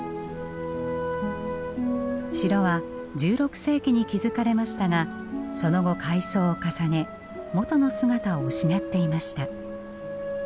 城は１６世紀に築かれましたがその後改装を重ね元の姿を失っていました。